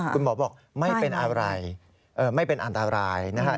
คุณหมอบอกไม่เป็นอะไรไม่เป็นอันตรายนะฮะ